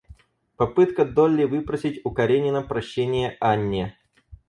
Попытка Долли выпросить у Каренина прощение Анне.